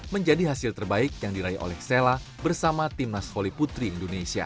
menjadi hasil terbaik yang diraih oleh sella bersama timnas voli putri indonesia